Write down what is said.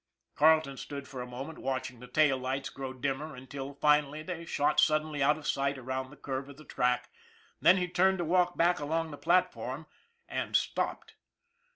Carleton stood for a moment watching the tail lights grow dimmer until, finally, they shot suddenly out of sight with the curve of the track, then he turned to walk back along the platform and stopped.